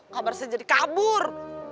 kabar saya jadi kabur